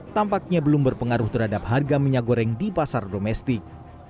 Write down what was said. tampaknya belum berpengaruh terhadap harga minyak goreng di pasar domestik